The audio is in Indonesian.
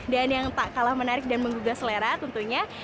dan yang tak kalah menarik dan menggugah selera tentunya